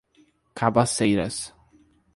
Cabaceiras